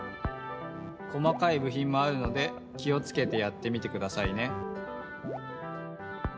細かいぶひんもあるので気をつけてやってみてくださいね。